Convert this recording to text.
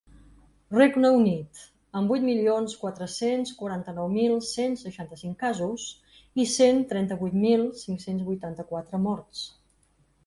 Regne Unit, amb vuit milions quatre-cents quaranta-nou mil cent seixanta-cinc casos i cent trenta-vuit mil cinc-cents vuitanta-quatre morts.